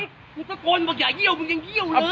กูตะโกนบอกอย่าเยี่ยวมึงยังเยี่ยวเลย